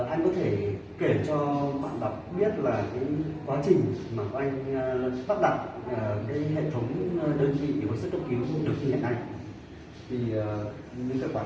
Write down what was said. anh có thể kể cho bạn bạc biết là cái quá trình mà anh phát đặt cái hệ thống đơn vị hồi sức tập cứu cũng được như thế này